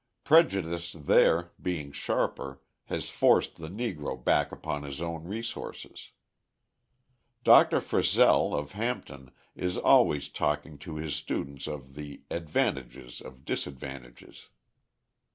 Prejudice there, being sharper, has forced the Negro back upon his own resources. Dr. Frissell of Hampton is always talking to his students of the "advantages of disadvantages."